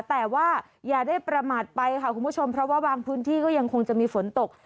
แต่ว่าอย่าได้ประมาทไปค่ะคุณผู้ชมเพราะว่าบางพื้นที่ก็ยังคงจะมีฝนตก